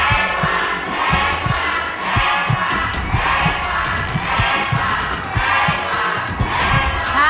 เท่ากว่า